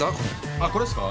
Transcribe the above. あっこれっすか？